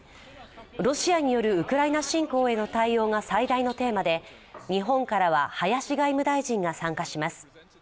ロシアによるウクライナ侵攻への対応が最大のテーマで日本からは林外務大臣が参加します。